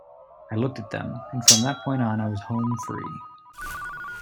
I looked at them, and from that point on I was home free.